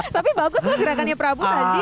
tapi bagus loh gerakannya prabu tadi